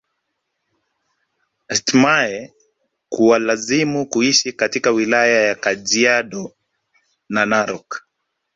Htimae kuwalazimu kuishi katika wilaya ya Kajaido na Narok